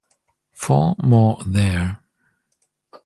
Four more there.